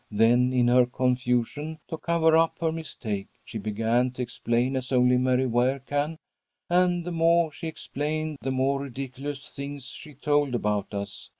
Then in her confusion, to cover up her mistake, she began to explain as only Mary Ware can, and the more she explained, the more ridiculous things she told about us.